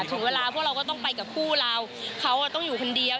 ถึงเวลาพวกเราก็ต้องไปกับคู่เราเขาต้องอยู่คนเดียว